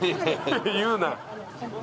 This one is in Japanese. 言うな。